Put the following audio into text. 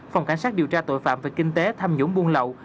phòng cảnh sát điều tra tội phạm về kinh tế tham nhũng buôn lậu